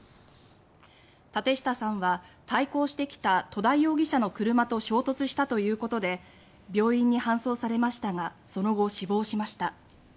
舘下さんは対向してきた戸田容疑者の車と衝突したということで病院に搬送されましたがその後、死亡しました。